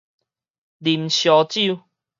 啉燒酒